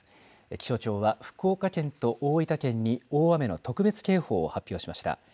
気象庁は福岡県と大分県に大雨の特別警報を発表しました。